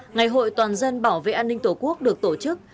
ngày hội toàn dân bảo vệ an ninh tổ quốc được tổ chức